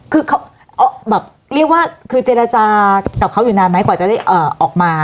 คือเขาแบบเรียกว่าคือเจรจากับเขาอยู่นานไหมกว่าจะได้ออกมา